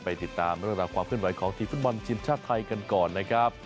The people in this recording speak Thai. ติดตามเรื่องราวความเคลื่อนไหวของทีมฟุตบอลทีมชาติไทยกันก่อนนะครับ